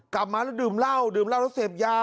กลับมาแล้วดื่มเหล้าดื่มเหล้าแล้วเสพยา